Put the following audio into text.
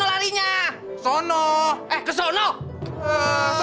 orang itu siapa ya